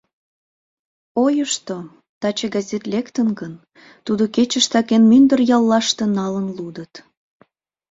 Ойышто, таче газет лектын гын, тудо кечыштак эн мӱндыр яллаште налын лудыт.